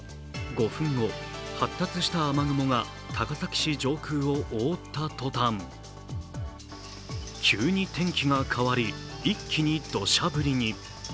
５分後、発達した雨雲が高崎市上空を覆ったとたん、急に天気が変わり、一気に土砂降りに。